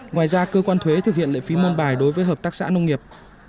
ngoài ra cơ quan thuế thực hiện lệ phí môn bài đối với hợp tác xã nông nghiệp